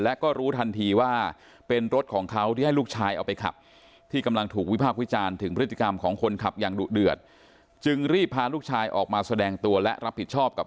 และก็รู้ทันทีว่าเป็นรถของเขาที่ให้ลูกชายเอาไปขับ